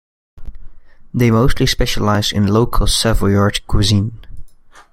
They mostly specialise in local savoyard cuisine.